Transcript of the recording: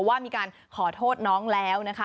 ว่ามีการขอโทษน้องแล้วนะคะ